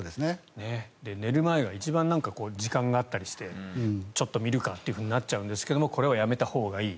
寝る前が一番時間があったりしてちょっと見るかとなっちゃうんですけどこれはやめたほうがいい。